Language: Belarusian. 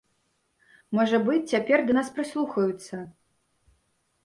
Можа быць, цяпер да нас прыслухаюцца.